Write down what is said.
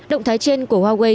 động thái trên của huawei